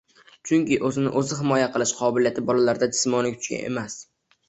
Chunki o‘zini o‘zi himoya qilish qobiliyati bolalarda jismoniy kuchga emasю